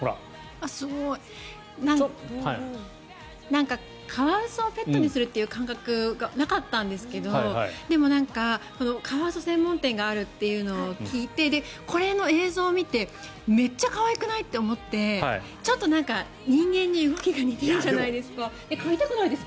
なんか、カワウソをペットにするという感覚がなかったんですけどでも、カワウソ専門店があるというのを聞いてこれの映像を見てめっちゃ可愛くない？って思ってちょっと人間に動きが似てるじゃないですか。